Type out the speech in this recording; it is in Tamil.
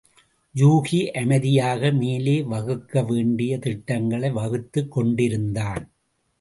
யூகி அமைதியாக மேலே வகுக்க வேண்டிய திட்டங்களை வகுத்துக் கொண்டிருந்தான்.